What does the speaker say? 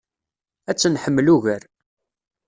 Ad tt-nḥemmel ugar.